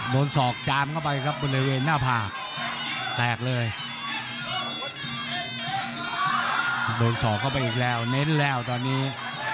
โดนสอบเข้าไปอีกแล้วเน้นแล้วตอนนี้